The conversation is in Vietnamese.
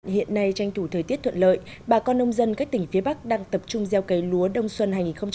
hiện nay tranh thủ thời tiết thuận lợi bà con nông dân các tỉnh phía bắc đang tập trung gieo cấy lúa đông xuân hai nghìn một mươi bảy